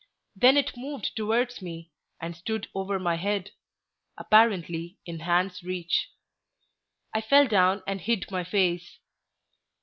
Then it moved towards me, and stood over my head, apparently in hand's reach. I fell down and hid my face.